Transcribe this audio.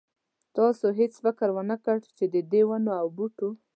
تاسې هېڅ فکر ونه کړ چې ددې ونو او بوټو.